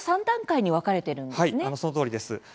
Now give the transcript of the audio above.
３段階に分かれているんですね。